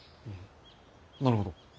なるほど。